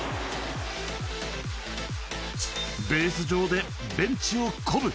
ベース上でベンチを鼓舞。